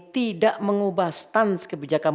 tidak mengubah stans kebijakan